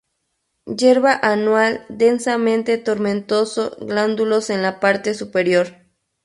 Hierba anual densamente tomentoso-glandulos en la parte superior.